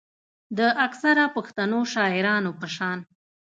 د اکثره پښتنو شاعرانو پۀ شان